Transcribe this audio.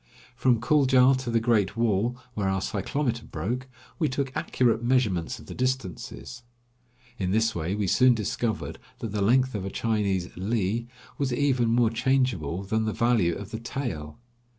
From Kuldja to the Great Wall, where our cyclometer broke, we took accurate measurements of the distances. In this way, we soon discovered that the length of a Chinese li was even more changeable than the value of the tael.